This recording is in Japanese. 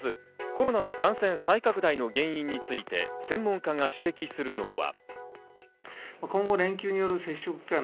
コロナの感染再拡大の原因について専門家が指摘するのは。